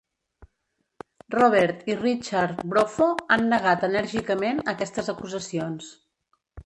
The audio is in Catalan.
Robert i Richard Bropho han negat enèrgicament aquestes acusacions.